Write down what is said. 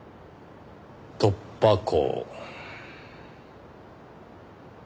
突破口。